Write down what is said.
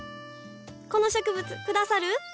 この植物くださる？